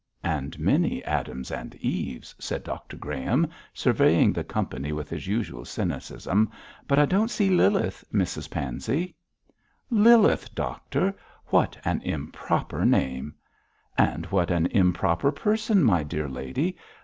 'And many Adams and Eves!' said Dr Graham, surveying the company with his usual cynicism; 'but I don't see Lilith, Mrs Pansey.' 'Lilith, doctor! what an improper name!' 'And what an improper person, my dear lady.